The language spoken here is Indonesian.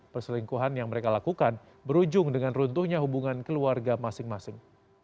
perselingkuhan yang mereka lakukan berujung dengan runtuhnya hubungan keluarga masing masing